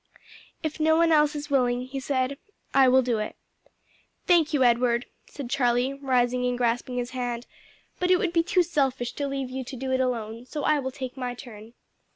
"If no one else is willing," he said, "I will do it." "Thank you, Edward," said Charlie, rising and grasping his hand; "but it would be too selfish to leave you to do it alone; so I will take my turn."